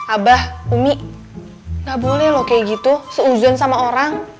abah umi gak boleh loh kayak gitu seuzon sama orang